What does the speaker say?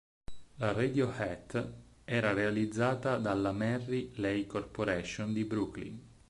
La "Radio Hat" era realizzata dalla Merri-Lei Corporation di Brooklyn.